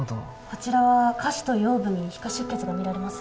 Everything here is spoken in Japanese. こちらは下肢と腰部に皮下出血が見られます。